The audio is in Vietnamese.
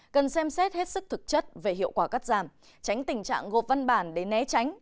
cần xem xét hết sức thực chất về hiệu quả cắt giảm tránh tình trạng gộp văn bản để né tránh